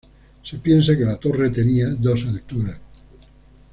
Se piensa que la torre tenía dos alturas.